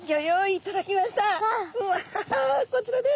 うわこちらです。